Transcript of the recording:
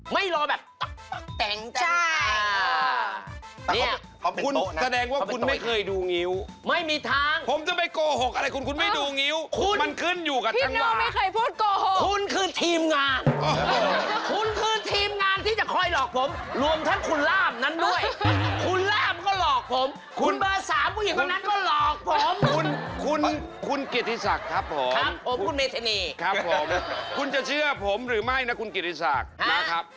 ไม่รอแบบตั๊กตั๊กตั๊กตั๊กตั๊กตั๊กตั๊กตั๊กตั๊กตั๊กตั๊กตั๊กตั๊กตั๊กตั๊กตั๊กตั๊กตั๊กตั๊กตั๊กตั๊กตั๊กตั๊กตั๊กตั๊กตั๊กตั๊กตั๊กตั๊กตั๊กตั